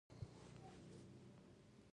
ښکاري د خپل ښکار لپاره مبارزه کوي.